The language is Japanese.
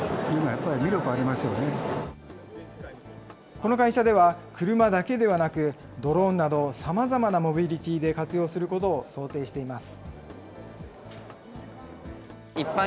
この会社では、車だけではなく、ドローンなど、さまざまなモビリティで活用することを想定しています。